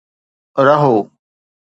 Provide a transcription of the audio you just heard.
رهو